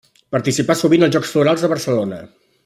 Participà sovint als Jocs Florals de Barcelona.